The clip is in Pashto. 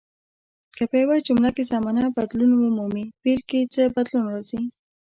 که په یوه جمله کې زمانه بدلون ومومي فعل کې څه بدلون راځي.